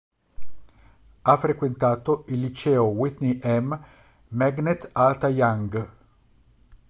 Ha frequentato il liceo Whitney M. Magnet Alta Young.